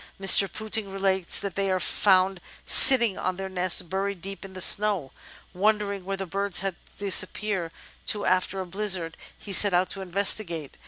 Mr. Pouting relates that they are found sitting on their nests buried deep in the snow. Wondering where the birds had disappeared to after a blizzard, he set out to investigate.